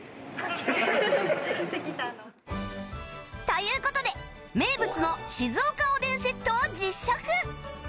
という事で名物の静岡おでんセットを実食